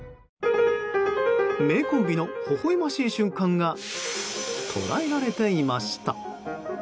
名コンビのほほ笑ましい瞬間が捉えられていました。